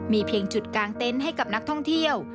มีเพียงจุดกางเต็นต์ให้กับนักท่องเที่ยว